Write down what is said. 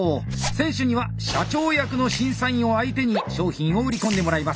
選手には社長役の審査員を相手に商品を売り込んでもらいます。